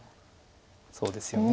そうですよね。